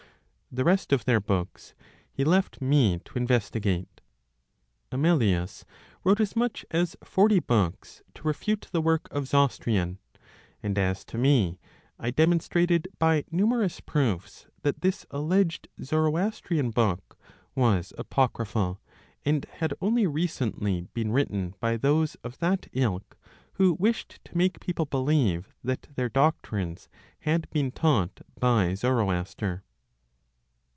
The rest (of their books) he left me to investigate. Amelius wrote as much as forty books to refute the work of Zostrian; and as to me, I demonstrated by numerous proofs that this alleged Zoroastrian book was apocryphal, and had only recently been written by those of that ilk who wished to make people believe that their doctrines had been taught by Zoroaster.